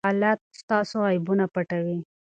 الله ستاسو عیبونه پټوي.